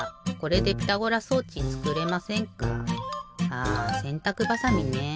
ああせんたくばさみねえ。